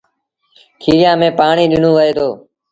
کيريآݩ ميݩ پآڻي ڏنو وهي دو